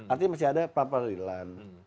artinya masih ada pengadilan